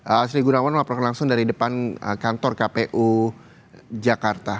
asri gunawan melaporkan langsung dari depan kantor kpu jakarta